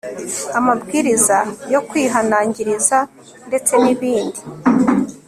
amabwiriza yo kwihanangiriza ndetse n ibindi